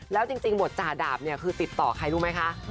แล้วจริงบทจ่าดาบเนี่ยคือติดต่อใครรู้ไหมคะ